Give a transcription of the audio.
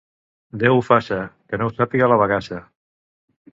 Déu ho faça, que no ho sàpiga la bagassa.